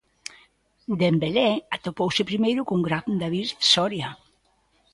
Dembelé atopouse primeiro cun gran David Soria.